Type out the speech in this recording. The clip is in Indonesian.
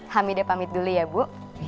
hamida pamit dulu ya bu